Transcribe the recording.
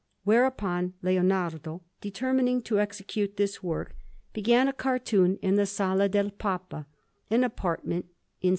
Whereupon Leonardo, determining to execute this work, began a cartoon in the Sala del Papa, an apartment in S.